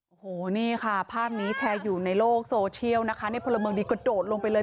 โอ้โหนี่ค่ะภาพนี้แชร์อยู่ในโลกโซเชียลนะคะในพลเมืองดีกระโดดลงไปเลย